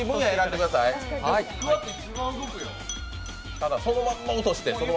ただ、そのまんま落として。